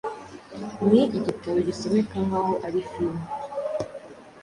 Ni igitabo gisomeka nkaho ari filime